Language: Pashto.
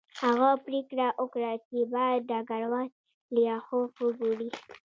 هغه پریکړه وکړه چې باید ډګروال لیاخوف وګوري